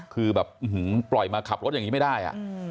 คือแบบปล่อยมาขับรถอย่างนี้ไม่ได้